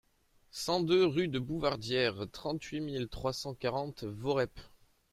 cent deux rue de Bouvardière, trente-huit mille trois cent quarante Voreppe